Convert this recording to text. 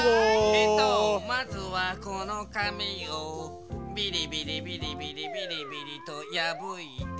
えっとまずはこのかみをビリビリビリビリビリビリとやぶいて。